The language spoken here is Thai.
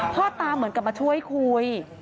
พ่อตาเหมือนกับมาช่วยคุย